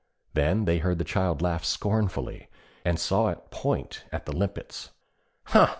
Then they heard the child laugh scornfully, and saw it point at the limpets. 'Huh!'